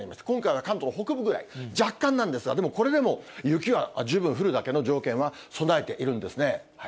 今回は関東の北部ぐらい、若干なんですが、でもこれでも雪は十分降るだけの条件は備えているんですね。